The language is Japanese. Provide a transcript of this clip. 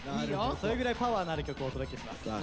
それぐらいパワーのある曲をお届けします。